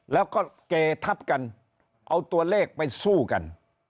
แล้วก็เกทับกันเอาตัวเลขไปสู้กัน